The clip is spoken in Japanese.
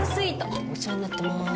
お世話になってます。